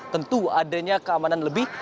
tentu adanya keamanan lebih